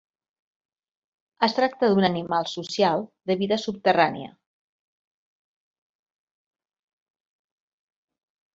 Es tracta d'un animal social de vida subterrània.